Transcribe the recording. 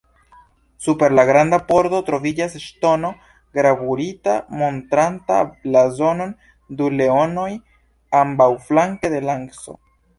Super la granda pordo troviĝas ŝtono gravurita montranta blazonon: du leonoj ambaŭflanke de lanco.